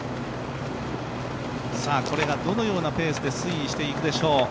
これがどのようなペースで推移していくでしょう。